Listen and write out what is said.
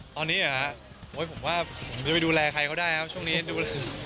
ตอนนี้เหรอผมว่าผมจะไปดูแลใครเขาได้ครับช่วงนี้ดูแล